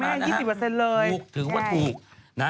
มุกถึงว่าถูก